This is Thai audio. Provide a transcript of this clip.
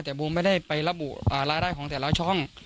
แต่บูมไม่ได้ไประบุรายได้ของแต่ละช่อง